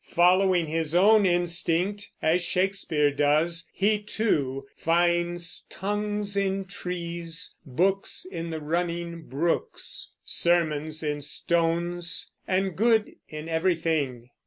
Following his own instinct, as Shakespeare does, he too Finds tongues in trees, books in the running brooks, Sermons in stones, and good in everything.